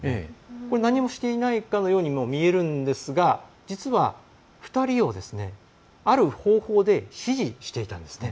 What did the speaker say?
何もしていないかのようにも見えるんですが実は２人を、ある方法で支持してたんですね。